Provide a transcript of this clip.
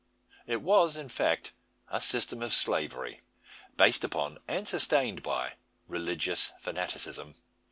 It was, in fact, a system of slavery, based upon and sustained by religious fanaticism.